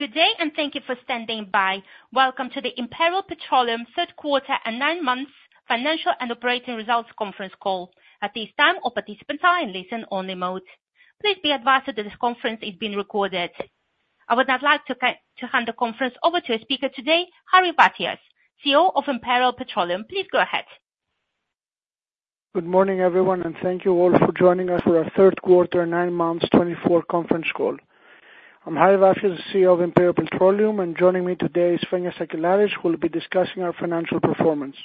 Good day and thank you for standing by. Welcome to the Imperial Petroleum third quarter and nine months financial and operating results conference call. At this time, all participants are in listen-only mode. Please be advised that this conference is being recorded. I would now like to hand the conference over to our speaker today, Harry Vafias, CEO of Imperial Petroleum. Please go ahead. Good morning, everyone, and thank you all for joining us for our third quarter, nine months, 2024 conference call. I'm Harry Vafias, CEO of Imperial Petroleum, and joining me today is Fenia Sakellari, who will be discussing our financial performance.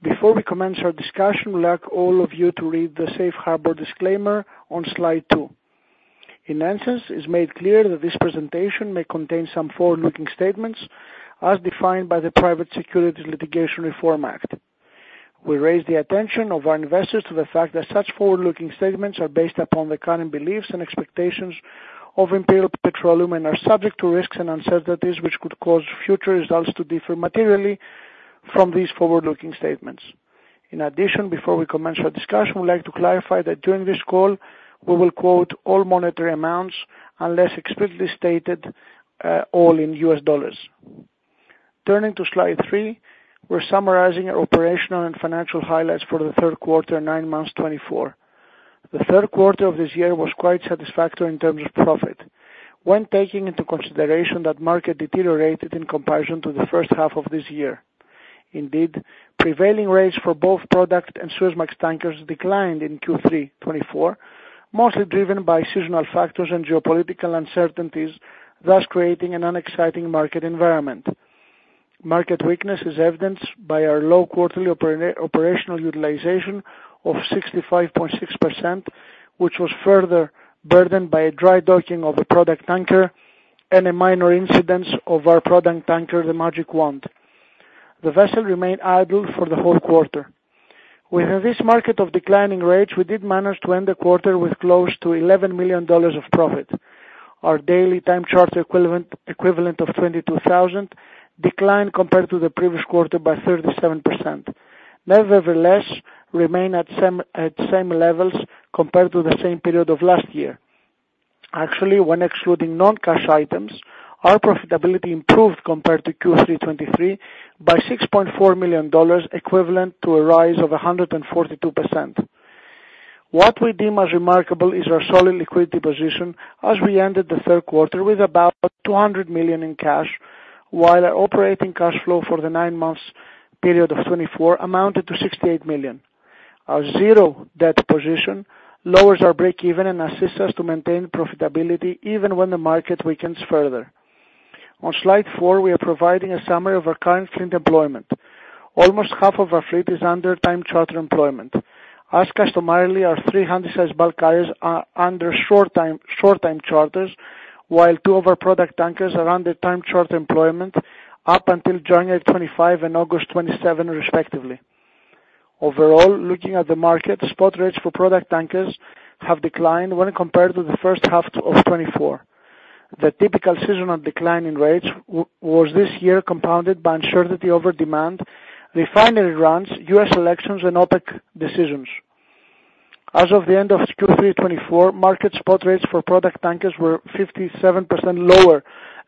Before we commence our discussion, we'll ask all of you to read the safe harbor disclaimer on slide two. In essence, it is made clear that this presentation may contain some forward-looking statements as defined by the Private Securities Litigation Reform Act. We raise the attention of our investors to the fact that such forward-looking statements are based upon the current beliefs and expectations of Imperial Petroleum and are subject to risks and uncertainties which could cause future results to differ materially from these forward-looking statements. In addition, before we commence our discussion, we'd like to clarify that during this call, we will quote all monetary amounts unless explicitly stated all in US dollars. Turning to slide three, we're summarizing our operational and financial highlights for the third quarter, nine months, 2024. The third quarter of this year was quite satisfactory in terms of profit when taking into consideration the market deteriorated in comparison to the first half of this year. Indeed, prevailing rates for both product and Suezmax tankers declined in Q3 2024, mostly driven by seasonal factors and geopolitical uncertainties, thus creating an unexciting market environment. Market weakness is evidenced by our low quarterly operational utilization of 65.6%, which was further burdened by a dry docking of a product tanker and a minor incident of our product tanker, the Magic Wand. The vessel remained idle for the whole quarter. Within this market of declining rates, we did manage to end the quarter with close to $11 million of profit. Our daily time charter equivalent of $22,000 declined compared to the previous quarter by 37%. Nevertheless, we remain at the same levels compared to the same period of last year. Actually, when excluding non-cash items, our profitability improved compared to Q3 2023 by $6.4 million equivalent to a rise of 142%. What we deem as remarkable is our solid liquidity position as we ended the third quarter with about $200 million in cash, while our operating cash flow for the nine-months period of 2024 amounted to $68 million. Our zero-debt position lowers our break-even and assists us to maintain profitability even when the market weakens further. On slide four, we are providing a summary of our current fleet employment. Almost half of our fleet is under time-charter employment. As customarily, our three Handysize bulk carriers are under short-term charters, while two of our product tankers are under time-charter employment up until January 2025 and August 2027, respectively. Overall, looking at the market, spot rates for product tankers have declined when compared to the first half of 2024. The typical seasonal decline in rates was this year compounded by uncertainty over demand, refinery runs, U.S. elections, and OPEC decisions. As of the end of Q3 2024, market spot rates for product tankers were 57% lower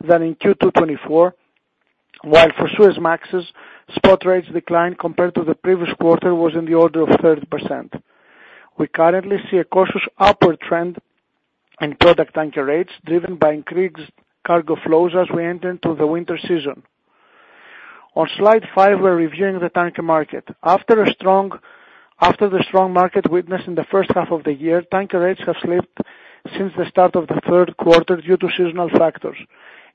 than in Q2 2024, while for Suezmax, spot rates declined compared to the previous quarter, which was in the order of 30%. We currently see a cautious upward trend in product tanker rates driven by increased cargo flows as we enter into the winter season. On slide five, we're reviewing the tanker market. After the strong market witnessed in the first half of the year, tanker rates have slipped since the start of the third quarter due to seasonal factors.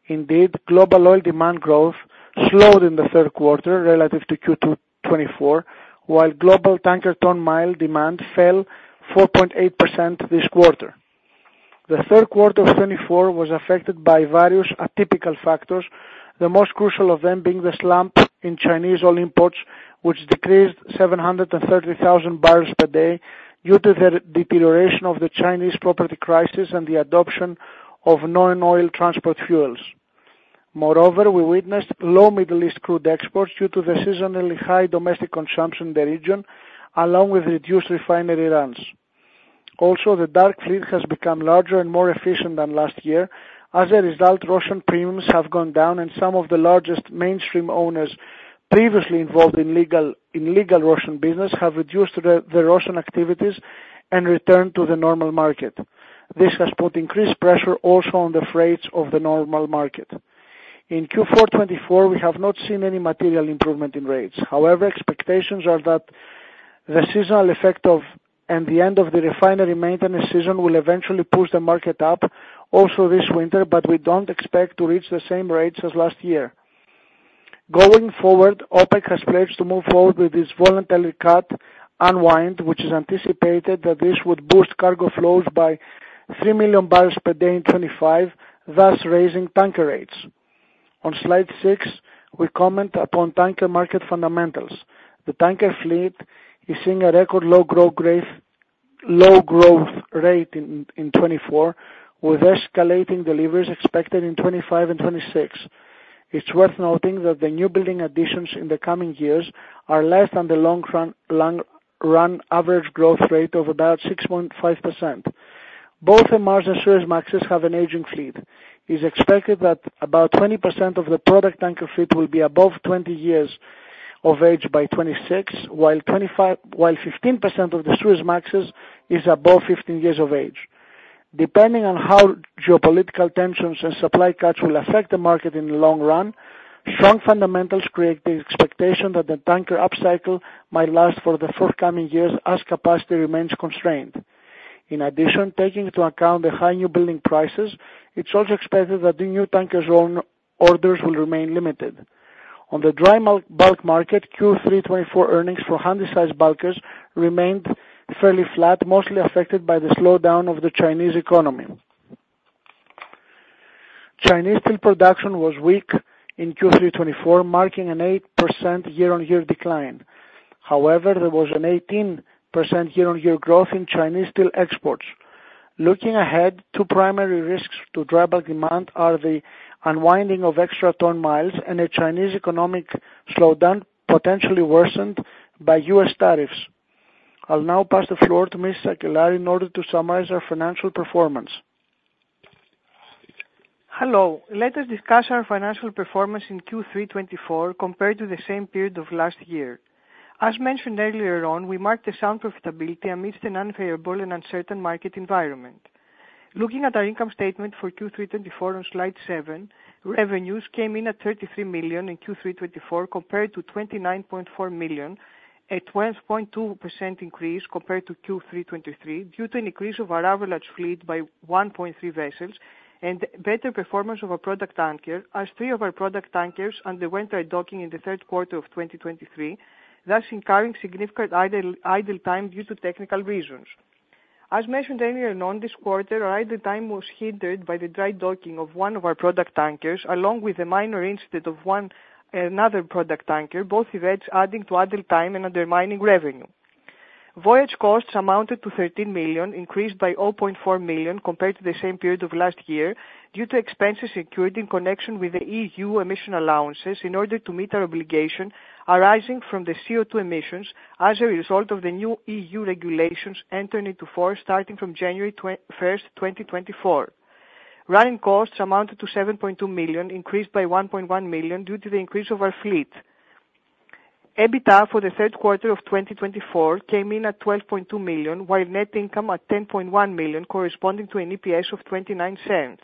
Indeed, global oil demand growth slowed in the third quarter relative to Q2 2024, while global tanker ton-mile demand fell 4.8% this quarter. The third quarter of 2024 was affected by various atypical factors, the most crucial of them being the slump in Chinese oil imports, which decreased 730,000 barrels per day due to the deterioration of the Chinese property crisis and the adoption of non-oil transport fuels. Moreover, we witnessed low Middle East crude exports due to the seasonally high domestic consumption in the region, along with reduced refinery runs. Also, the dark fleet has become larger and more efficient than last year. As a result, Russian premiums have gone down, and some of the largest mainstream owners previously involved in legal Russian business have reduced their Russian activities and returned to the normal market. This has put increased pressure also on the freights of the normal market. In Q4 2024, we have not seen any material improvement in rates. However, expectations are that the seasonal effect and the end of the refinery maintenance season will eventually push the market up also this winter, but we don't expect to reach the same rates as last year. Going forward, OPEC has pledged to move forward with its voluntary cut unwind, which is anticipated that this would boost cargo flows by 3 million barrels per day in 2025, thus raising tanker rates. On slide six, we comment upon tanker market fundamentals. The tanker fleet is seeing a record low growth rate in 2024, with escalating deliveries expected in 2025 and 2026. It's worth noting that the new building additions in the coming years are less than the long-run average growth rate of about 6.5%. Both MRs and Suezmaxes have an aging fleet. It's expected that about 20% of the product tanker fleet will be above 20 years of age by 2026, while 15% of the Suezmaxes is above 15 years of age. Depending on how geopolitical tensions and supply cuts will affect the market in the long run, strong fundamentals create the expectation that the tanker upcycle might last for the forthcoming years as capacity remains constrained. In addition, taking into account the high new building prices, it's also expected that new tankers' orders will remain limited. On the dry bulk market, Q3 2024 earnings for Handysize bulkers remained fairly flat, mostly affected by the slowdown of the Chinese economy. Chinese steel production was weak in Q3 2024, marking an 8% year-on-year decline. However, there was an 18% year-on-year growth in Chinese steel exports. Looking ahead, two primary risks to dry bulk demand are the unwinding of extra ton-miles and a Chinese economic slowdown potentially worsened by U.S. tariffs. I'll now pass the floor to Ms. Sakellari in order to summarize our financial performance. Hello. Let us discuss our financial performance in Q3 2024 compared to the same period of last year. As mentioned earlier on, we marked a sound profitability amidst an unfavorable and uncertain market environment. Looking at our income statement for Q3 2024 on slide seven, revenues came in at $33 million in Q3 2024 compared to $29.4 million, a 12.2% increase compared to Q3 2023 due to an increase of our average fleet by 1.3 vessels and better performance of our product tanker, as three of our product tankers underwent dry docking in the third quarter of 2023, thus incurring significant idle time due to technical reasons. As mentioned earlier on, this quarter, our idle time was hindered by the dry docking of one of our product tankers, along with a minor incident of another product tanker, both events adding to idle time and undermining revenue. Voyage costs amounted to $13 million, increased by $0.4 million compared to the same period of last year due to expenses incurred in connection with the EU emission allowances in order to meet our obligation arising from the CO2 emissions as a result of the new EU regulations entering into force starting from January 1st, 2024. Running costs amounted to $7.2 million, increased by $1.1 million due to the increase of our fleet. EBITDA for the third quarter of 2024 came in at $12.2 million, while net income at $10.1 million, corresponding to an EPS of $0.29.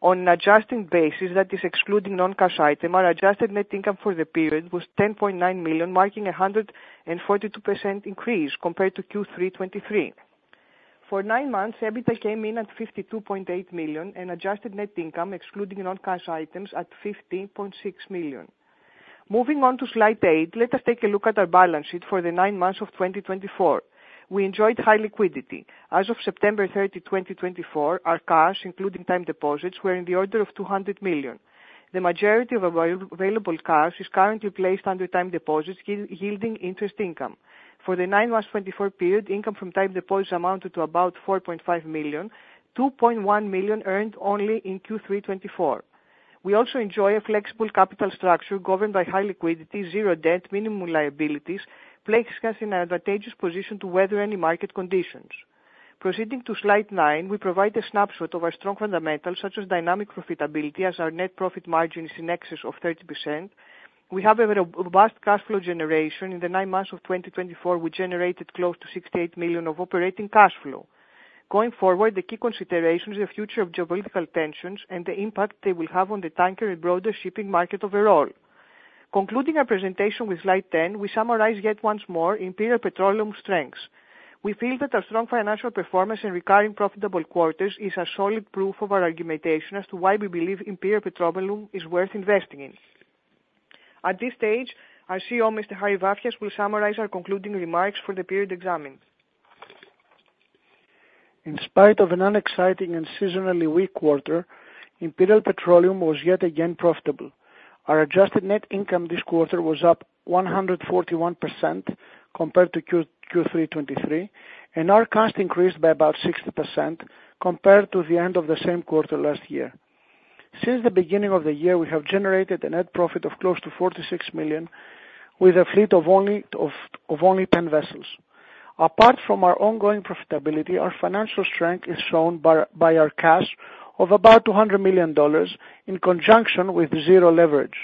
On an adjusting basis, that is, excluding non-cash items, our adjusted net income for the period was $10.9 million, marking a 142% increase compared to Q3 2023. For nine months, EBITDA came in at $52.8 million and adjusted net income, excluding non-cash items, at $15.6 million. Moving on to slide eight, let us take a look at our balance sheet for the nine months of 2024. We enjoyed high liquidity. As of September 30, 2024, our cash, including time deposits, were in the order of $200 million. The majority of our available cash is currently placed under time deposits, yielding interest income. For the nine months 2024 period, income from time deposits amounted to about $4.5 million. $2.1 million earned only in Q3 2024. We also enjoy a flexible capital structure governed by high liquidity, zero debt, minimum liabilities, placing us in an advantageous position to weather any market conditions. Proceeding to slide nine, we provide a snapshot of our strong fundamentals, such as dynamic profitability, as our net profit margin is in excess of 30%. We have a robust cash flow generation. In the nine months of 2024, we generated close to $68 million of operating cash flow. Going forward, the key consideration is the future of geopolitical tensions and the impact they will have on the tanker and broader shipping market overall. Concluding our presentation with slide 10, we summarize yet once more Imperial Petroleum's strengths. We feel that our strong financial performance and recurring profitable quarters is a solid proof of our argumentation as to why we believe Imperial Petroleum is worth investing in. At this stage, our CEO, Mr. Harry Vafias, will summarize our concluding remarks for the period examined. In spite of an unexciting and seasonally weak quarter, Imperial Petroleum was yet again profitable. Our adjusted net income this quarter was up 141% compared to Q3 2023, and our cost increased by about 60% compared to the end of the same quarter last year. Since the beginning of the year, we have generated a net profit of close to $46 million with a fleet of only 10 vessels. Apart from our ongoing profitability, our financial strength is shown by our cash of about $200 million in conjunction with zero leverage.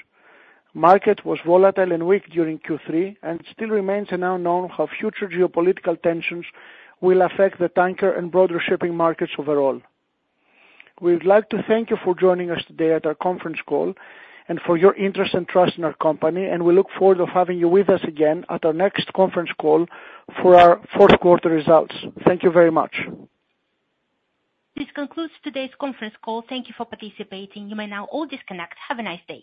Market was volatile and weak during Q3, and still remains unknown how future geopolitical tensions will affect the tanker and broader shipping markets overall. We would like to thank you for joining us today at our conference call and for your interest and trust in our company, and we look forward to having you with us again at our next conference call for our fourth quarter results. Thank you very much. This concludes today's conference call. Thank you for participating. You may now all disconnect. Have a nice day.